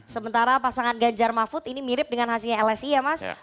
sementara pasangan ganjar mafud ini mirip dengan hasilnya lsi ya mas